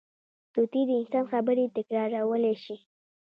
طوطي د انسان خبرې تکرارولی شي